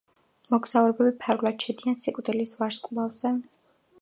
მოგზაურები ფარულად შედიან სიკვდილის ვარსკვლავზე.